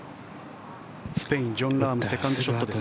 スペイン、ジョン・ラームセカンドショットです。